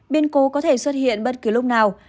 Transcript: biến cố có thể xuất hiện bất cứ lúc nào